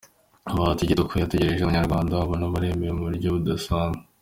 Bahati Kioko yitegereje abanyarwandakazi abona bararemwe mu buryo budasanzwe.